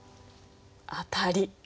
当たり！